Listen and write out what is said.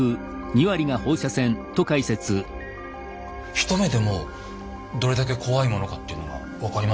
一目でもうどれだけ怖いものかっていうのが分かりますよね。